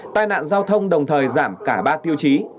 tai nạn giao thông đồng thời giảm cả ba tiêu chí